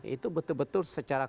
itu betul betul secara